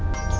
ya om punta